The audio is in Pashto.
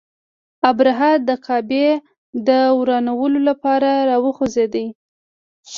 ابرهه د کعبې د ورانولو لپاره را وخوځېد.